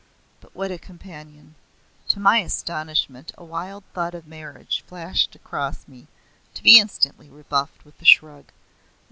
But what a companion! To my astonishment a wild thought of marriage flashed across me, to be instantly rebuffed with a shrug.